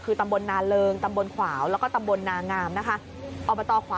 คือตำบลนาเริงตำบลขวาวแล้วก็ตำบลนางามนะคะ